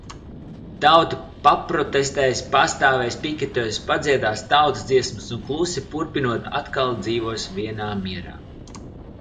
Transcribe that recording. Tauta paprotestēs, pastāvēs piketos, padziedās tautas dziesmas un klusi purpinot atkal dzīvos vienā mierā.